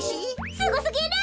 すごすぎる！